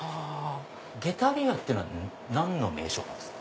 ゲタリアっていうのは何の名称なんですか？